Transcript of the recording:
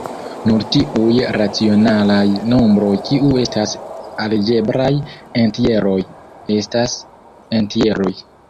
Nur tiuj racionalaj nombroj kiu estas algebraj entjeroj estas entjeroj.